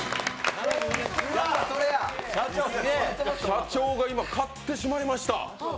社長が今、買ってしまいました。